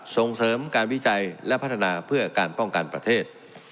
ส่งเสริมการวิจัยและพัฒนาเพื่อการป้องกันประเทศ